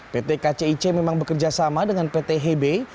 pt kcic memang bekerja sama dengan pt hebe